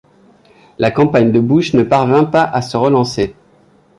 La campagne de Bush ne parvint pas à se relancer.